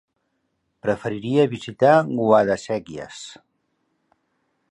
Preferiria visitar Guadasséquies.